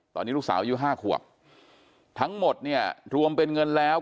ตอนนี้ลูกสาวอายุ๕ขวบทั้งหมดเนี่ยรวมเป็นเงินแล้ว